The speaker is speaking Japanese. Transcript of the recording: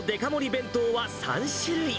弁当は３種類。